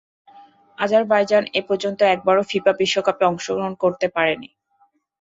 Azerbaijan এপর্যন্ত একবারও FIFA বিশ্বকাপে অংশগ্রহণ করতে পারেনি।